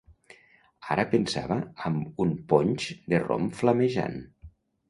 Ara pensava amb un ponx de rom flamejant.